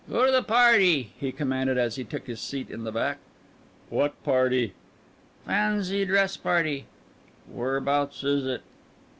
"Go to the party!" he commanded as he took his seat in the back. "What party?" "Fanzy dress party." "Where'bouts is it?"